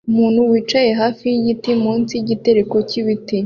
Umuntu wicaye hafi yigiti munsi yigitereko cyibiti